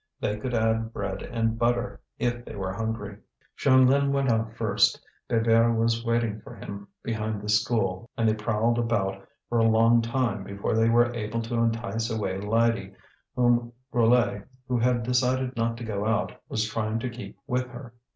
They could add bread and butter if they were hungry. Jeanlin went out first. Bébert was waiting for him behind the school, and they prowled about for a long time before they were able to entice away Lydie, whom Brulé, who had decided not to go out, was trying to keep with her.